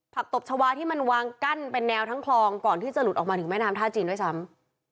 ตบชาวาที่มันวางกั้นเป็นแนวทั้งคลองก่อนที่จะหลุดออกมาถึงแม่น้ำท่าจีนด้วยซ้ำ